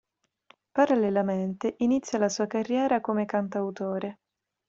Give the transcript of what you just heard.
Parallelamente inizia la sua carriera come cantautore.